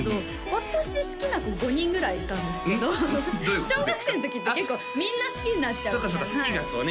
私好きな子５人ぐらいいたんですけど小学生の時って結構みんな好きになっちゃうそっかそっか好きがこうね